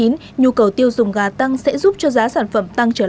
nhu cầu tiêu dùng gà tăng sẽ giúp cho giá sản phẩm tăng trở lại